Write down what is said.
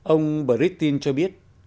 ông britain cho biết